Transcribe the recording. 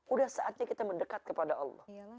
udah saatnya kita mendekat kepada allah